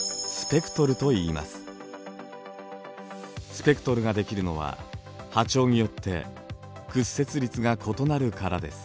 スペクトルが出来るのは波長によって屈折率が異なるからです。